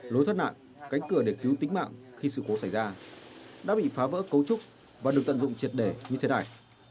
lối thoát nạn cánh cửa để cứu tính mạng khi sự cố xảy ra đã bị phá vỡ cấu trúc và được tận dụng triệt đề như thế này